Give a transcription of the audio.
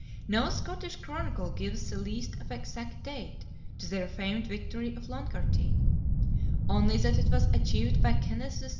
No Scottish chronicler gives the least of exact date to their famed victory of Loncarty, only that it was achieved by Kenneth III.